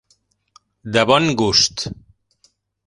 De bon gust.